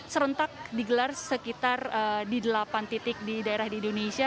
serentak digelar sekitar di delapan titik di daerah di indonesia